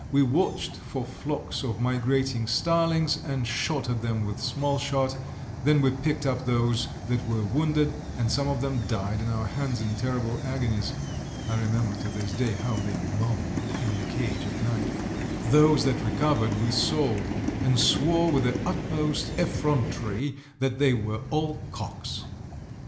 We watched for flocks of migrating starlings and shot at them with small shot, then we picked up those that were wounded, and some of them died in our hands in terrible agonies (I remember to this day how they moaned in the cage at night); those that recovered we sold, and swore with the utmost effrontery that they were all cocks.